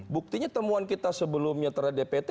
buktinya temuan kita sebelumnya terhadap dpt